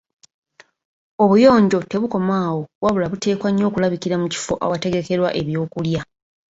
Obuyonjo tebukoma awo wabula buteekwa nnyo okulabikira mu kifo awategekerwa ebyokulya.